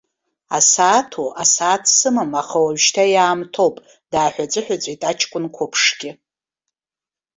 Асааҭу, асааҭ сымам, аха ожәшьҭа иаамҭоуп, дааҳәыҵәыҳәыҵәит аҷкәын қәыԥшгьы.